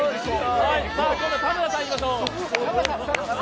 今度は田村さん、いきましょう。